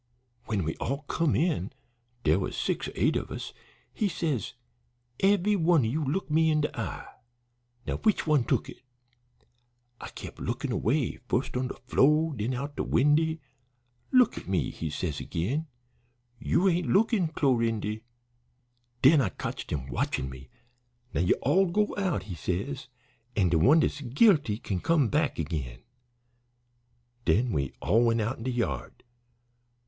When we all come in dere was six or eight of us he says, 'Eve'y one o' ye look me in de eye; now which one tuk it?' I kep' lookin' away, fust on de flo' an' den out de windy. 'Look at me,' he says agin. 'You ain't lookin', Clorindy.' Den I cotched him watchin' me. 'Now you all go out,' he says, 'and de one dat's guilty kin come back agin.' Den we all went out in de yard.